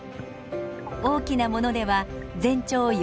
大きなものでは全長４メートル。